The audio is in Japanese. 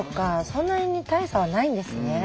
そんなに大差はないんですね。